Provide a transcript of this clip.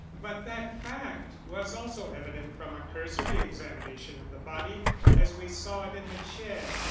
"But that fact was also evident from a cursory examination of the body, as we saw it in the chair.